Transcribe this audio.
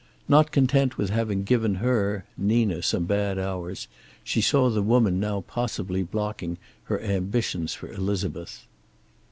Not content with having given her, Nina, some bad hours, she saw the woman now possibly blocking her ambitions for Elizabeth.